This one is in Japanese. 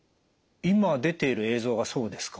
今出ている映像がそうですか？